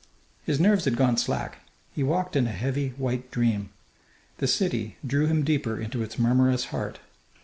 His nerves had gone slack. He walked in a heavy white dream. The city drew him deeper into its murmurous heart.